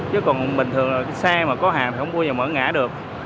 chứ còn bình thường là xe mà có hạm thì không bao giờ mở ngã được